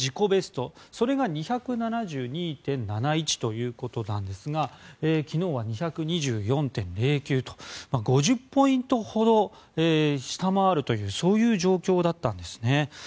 ベストそれが２７２．７１ということなんですが昨日は２２４．０９と５０ポイントほど下回るという状況だったんですね。